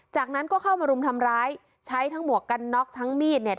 จากนั้นก็เข้ามารุมทำร้ายใช้ทั้งหมวกกันน็อกทั้งมีดเนี่ย